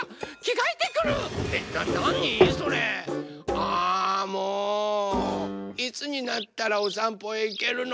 あもういつになったらおさんぽへいけるの？